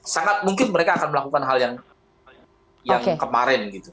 sangat mungkin mereka akan melakukan hal yang kemarin gitu